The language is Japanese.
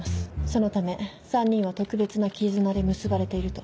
そのため３人は特別な絆で結ばれていると。